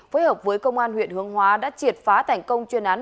phối hợp với công an huyện hướng hóa đã triệt phá thành công chuyên án